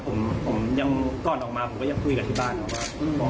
ผมก่อนออกมายังคุยกับที่บ้านว่าฟร้อม